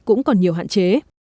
cũng còn nhiều hạn chế